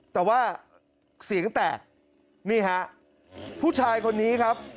แต่ว่าเสียงแตกนี่ฮะผู้ชายคนนี้ครับ